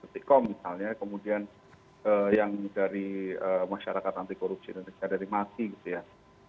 sikom misalnya kemudian yang dari masyarakat anti korupsi indonesia dari masih